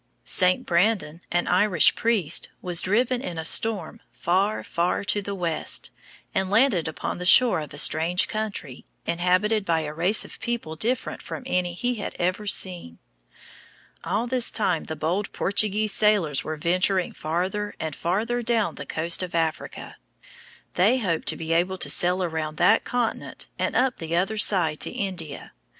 St. Brandon, an Irish priest, was driven in a storm far, far to the west, and landed upon the shore of a strange country, inhabited by a race of people different from any he had ever seen. All this time the bold Portuguese sailors were venturing farther and farther down the coast of Africa. They hoped to be able to sail around that continent and up the other side to India.